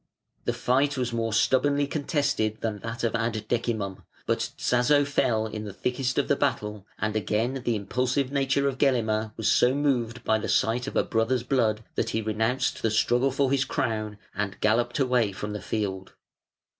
The fight was more stubbornly contested than that of Ad Decimum; but Tzazo fell in the thickest of the battle, and again the impulsive nature of Gelimer was so moved by the sight of a brother's blood that he renounced the struggle for his crown and galloped away from the field.